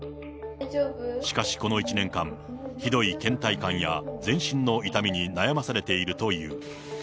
しかしこの１年間、ひどいけん怠感や、全身の痛みに悩まされているという。